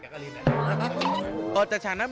มองนานนาน